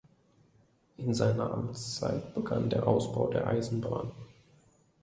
In seiner Amtszeit begann der Ausbau der Eisenbahn.